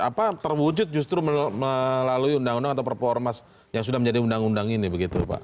apa terwujud justru melalui undang undang atau perpu ormas yang sudah menjadi undang undang ini begitu pak